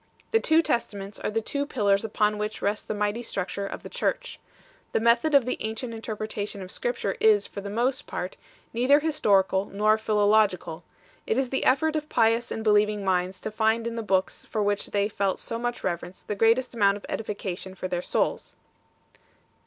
The two Testaments are the two pillars upon which rests the mighty structure of the Church. The method of the ancient interpretation of Scripture is, for the most part, neither historical nor philological ; it is the effort of pious and believing minds to find in the books for which they felt so much reverence the greatest amount of edification for their souls.